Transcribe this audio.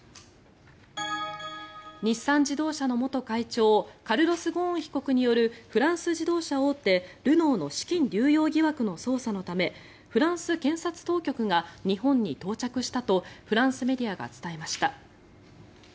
日産自動車の元会長カルロス・ゴーン被告によるフランス自動車大手ルノーの資金流用疑惑の捜査のためフランス検察当局が日本に到着したとフランスメディアが伝えました。